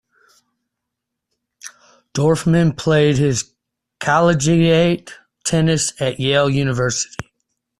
Dorfman played his collegiate tennis at Yale University.